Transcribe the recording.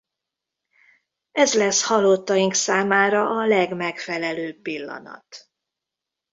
Ez lesz halottaink számára a legmegfelelőbb pillanat.